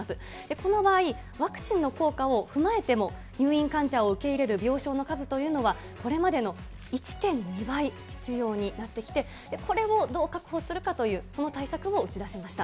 この場合、ワクチンの効果を踏まえても、入院患者を受け入れる病床の数というのは、これまでの１．２倍必要になってきて、これをどう確保するかという、この対策を打ち出しました。